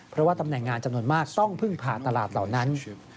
เพราะว่าตำแหน่งงานจำนวนมากต้องพึ่งผ่าตลาดเหล่านั้น